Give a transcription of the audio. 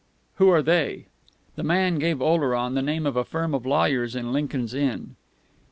"Who are they?" The man gave Oleron the name of a firm of lawyers in Lincoln's Inn.